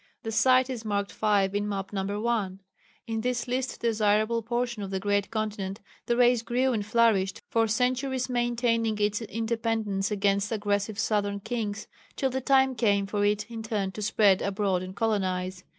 The site is marked 5 in Map No. 1. In this least desirable portion of the great continent the race grew and flourished, for centuries maintaining its independence against aggressive southern kings, till the time came for it in turn to spread abroad and colonize.